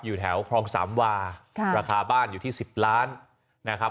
อยู่แถวคลองสามวาราคาบ้านอยู่ที่๑๐ล้านนะครับ